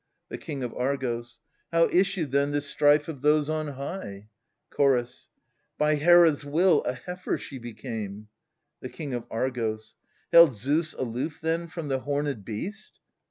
The King of Argos. How issued then this strife of those on high ? Chorus By Hera's will, a heifer she became. The King of Argos. Held Zeus aloof then from the horned beast